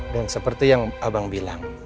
dan seperti yang abang bilang